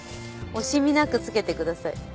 惜しみなく付けてください。